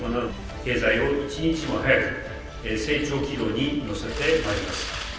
経済を一日も早く成長軌道に乗せてまいります。